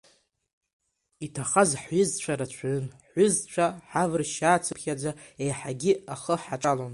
Иҭахаз ҳҩызцәа рацәаҩын, ҳҩызцәа ҳавыршьаацыԥхьаӡа еиҳагьы ахы ҳаҿалон.